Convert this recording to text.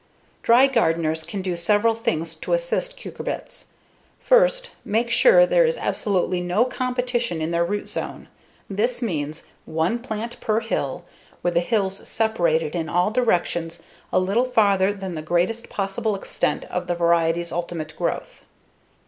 Dry gardeners can do several things to assist cucurbits. First, make sure there is absolutely no competition in their root zone. This means[i]one plant per hill, with the hills separated in all directions a little farther than the greatest possible extent of the variety's ultimate growth.